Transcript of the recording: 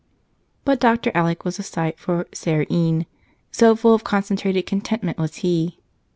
But Dr. Alec was a sight for "sair een," so full of concentrated contentment was he.